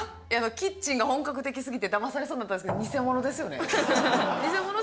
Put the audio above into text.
キッチンが本格的すぎてだまされそうになったんですけどニセモノですよね？